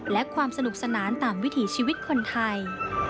และความสนุกสนานตามวิถีชีวิตคนไทย